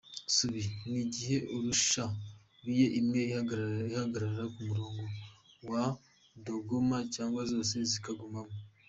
Subi : ni igihe urashe biye, imwe igahagarara ku murongo wa dogoma cyangwa zose zikagumamo.